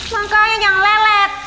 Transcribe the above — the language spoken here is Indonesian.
makanya jangan lelet